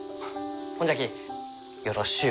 ほんじゃきよろしゅう